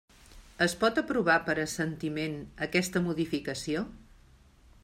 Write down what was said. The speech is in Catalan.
Es pot aprovar per assentiment aquesta modificació?